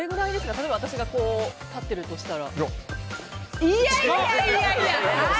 例えば私が立っているとしたら。